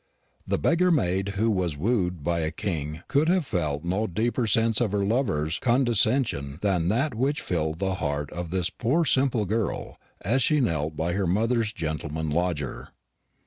The beggar maid who was wooed by a king could have felt no deeper sense of her lover's condescension than that which filled the heart of this poor simple girl as she knelt by her mother's gentleman lodger.